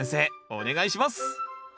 お願いします